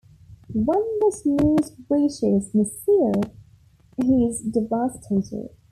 When this news reaches Nasir he is devastated.